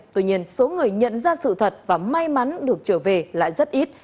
tuy nhiên số người nhận ra sự thật và may mắn được trở về lại rất ít